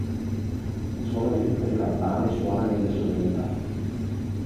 Il suono di tutte le campane suona nelle solennità.